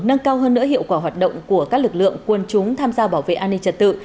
nâng cao hơn nữa hiệu quả hoạt động của các lực lượng quân chúng tham gia bảo vệ an ninh trật tự